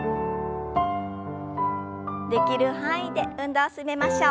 できる範囲で運動を進めましょう。